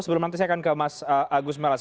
sebelum nanti saya akan ke mas agus melas